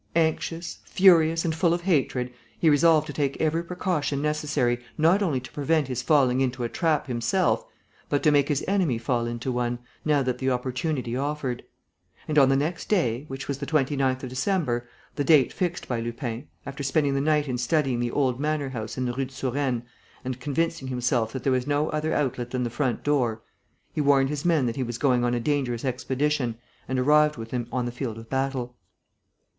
Anxious, furious and full of hatred, he resolved to take every precaution necessary not only to prevent his falling into a trap himself, but to make his enemy fall into one, now that the opportunity offered. And, on the next day, which was the 29th of December, the date fixed by Lupin, after spending the night in studying the old manor house in the Rue de Surène and convincing himself that there was no other outlet than the front door, he warned his men that he was going on a dangerous expedition and arrived with them on the field of battle.